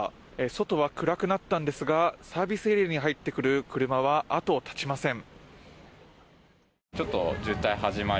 外は暗くなったんですがサービスエリアに入ってくる車は後を絶ちません。